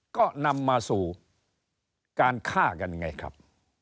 ก็นำมาสู่การฆ่ากันไงครับ